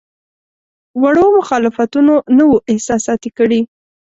وړو مخالفتونو نه وو احساساتي کړی.